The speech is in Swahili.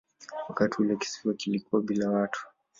Wakati ule kisiwa kilikuwa bila watu.